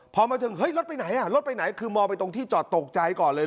พอมาถึงเฮ้ยรถไปไหนอ่ะรถไปไหนคือมองไปตรงที่จอดตกใจก่อนเลย